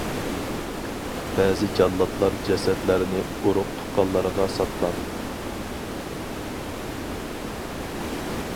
بەزى جاللاتلار جەسەتلەرنى ئۇرۇق- تۇغقانلىرىغا ساتقان.